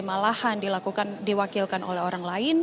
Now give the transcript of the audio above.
malahan dilakukan diwakilkan oleh orang lain